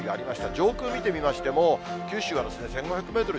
上空見てみましても、九州は１５００メートル